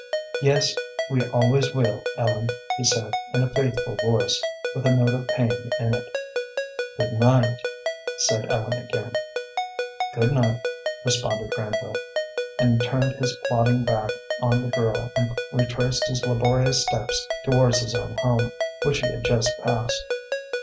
"Yes, we always will, Ellen," he said, in a faithful voice, with a note of pain in it. "Good night," said Ellen again. "Good night," responded Granville, and turned his plodding back on the girl and retraced his laborious steps towards his own home, which he had just passed.